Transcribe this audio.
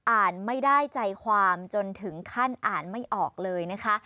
อ่านไม่ได้ใจความจนถึงขั้นอ่านไม่ออกเลยนะคะ